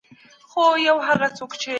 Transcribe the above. منظم معلومات او پوهاوی علم بلل کیږي.